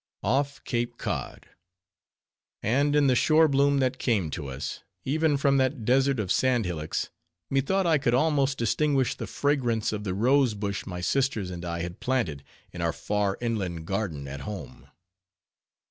Off Cape Cod! and in the shore bloom that came to us— even from that desert of sand hillocks—methought I could almost distinguish the fragrance of the rose bush my sisters and I had planted, in our far inland garden at home.